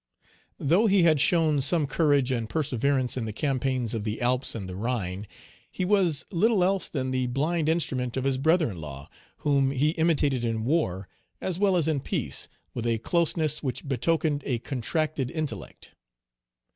Though he had shown some courage and perseverance in the campaigns of the Alps and the Rhine, he was little else than the blind instrument of his brother in law, whom he imitated in war as well as in peace, with a closeness which betokened a contracted intellect.